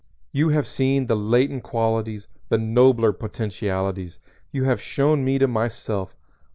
You have seen the latent qualities, the nobler potentialities; you have shown me to myself.